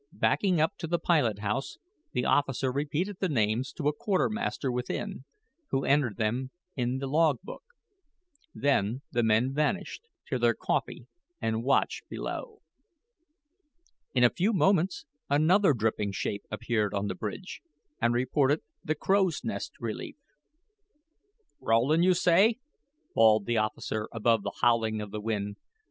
Backing up to the pilot house, the officer repeated the names to a quartermaster within, who entered them in the log book. Then the men vanished to their coffee and "watch below." In a few moments another dripping shape appeared on the bridge and reported the crow's nest relief. "Rowland, you say?" bawled the officer above the howling of the wind.